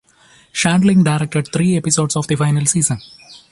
Shandling directed three episodes of the final season.